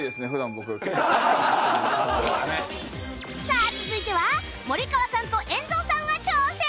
さあ続いては森川さんと遠藤さんが挑戦